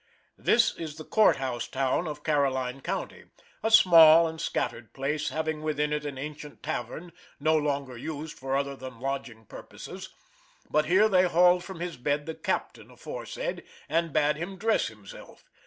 This is the court house town of Caroline county a small and scattered place, having within it an Ancient tavern, no longer used for other than lodging purposes; but here they hauled from his bed the captain aforesaid, and bade him dress himself.